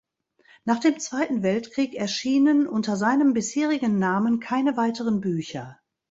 Nach dem Zweiten Weltkrieg erschienen unter seinem bisherigen Namen keine weiteren Bücher.